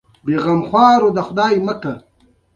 دا کار به زما لپاره اسانه وي